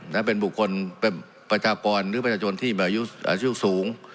นะเป็นบุคคลเป็นประชากรหรือประชาชนที่มีอายุอาชีพสูง